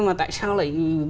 mà tại sao lại